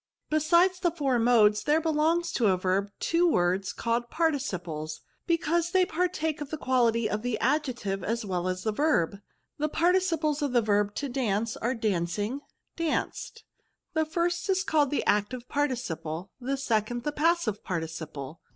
Besides the four modes, there belong to a verb two words called Participles, be cause they partake of the quality of the ad jective as well as of the verb. The parti ciples of the verb to dance axe dancing, danced; the first is called. the active parti ciple ; the second, the passive participle."